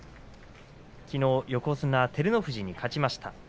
きのう横綱照ノ富士に勝ちました。